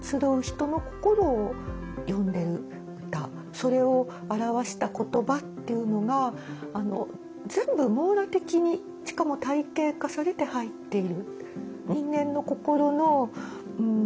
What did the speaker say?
それを表した言葉っていうのが全部網羅的にしかも体系化されて入っている。